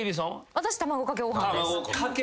私卵かけご飯です。